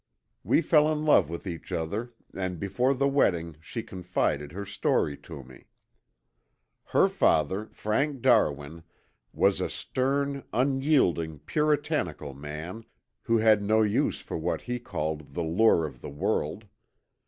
We fell in love with each other and before the wedding she confided her story to me. "Her father, Frank Darwin, was a stern, unyielding, puritanical man, who had no use for what he called the lure of the world.